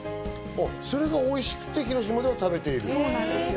それがおいしくて広島では食べている。